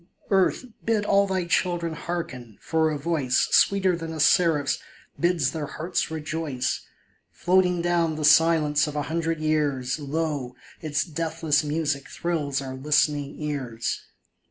Earth, bid all thy children hearken — for a voice, Sweeter than a seraph's, bids their hearts rejoice ; THOMAS MOORE 237 Floating down the silence of a hundred years, Lo ! its deathless music thrills our listening ears